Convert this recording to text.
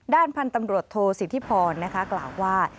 ด้านพันธุ์ตำรวจโทสิทธิพรนะคะกล่าวว่า